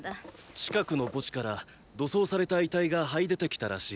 近くの墓地から土葬された遺体が這い出てきたらしい。